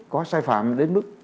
có sai phạm đến mức